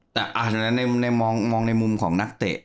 แต่มองในมุมของนักเตะ